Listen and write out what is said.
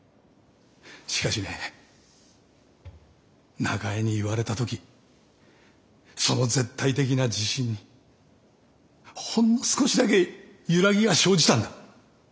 しかしね中江に言われた時その絶対的な自信にほんの少しだけ揺らぎが生じたんだ。